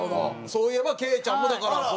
そういえばケイちゃんもだからそうや。